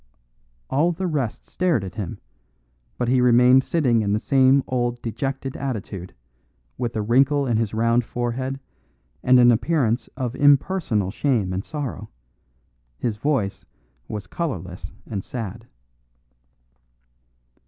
All the rest stared at him, but he remained sitting in the same old dejected attitude, with a wrinkle in his round forehead and an appearance of impersonal shame and sorrow; his voice was colourless and sad.